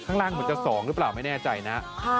ข้างล่างเหมือนจะ๒หรือเปล่าไม่แน่ใจนะ